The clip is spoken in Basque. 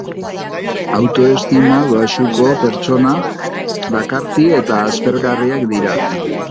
Autoestimu baxuko pertsona bakarti edo aspergarriak dira.